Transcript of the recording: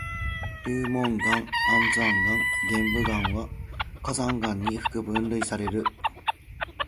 流紋岩、安山岩、玄武岩は火山岩に分類される。